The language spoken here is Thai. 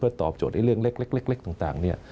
เพื่อตอบโจทย์เรื่องเล็กต่าง